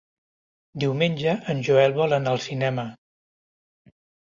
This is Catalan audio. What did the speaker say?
Diumenge en Joel vol anar al cinema.